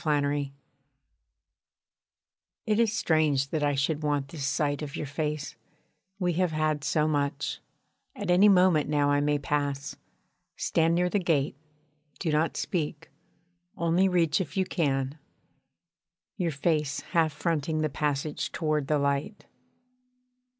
PRISONERS It is strange that I should want this sight of your face we have had so much: at any moment now I may pass, stand near the gate, do not speak only reach if you can, your face half fronting the passage toward the light.